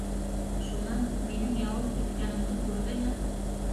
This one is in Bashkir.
Шунан минең яуап көткәнемде күрҙе лә: